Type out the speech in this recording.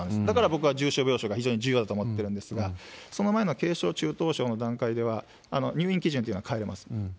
だから僕は重症病床が非常に重要だと思ってるんですが、その前の軽症、中等症の段階では、入院基準っていうのは変えれます。